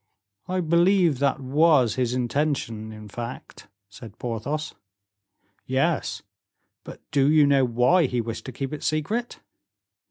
"I believe that was his intention, in fact," said Porthos. "Yes, but do you know why he wished to keep it secret?"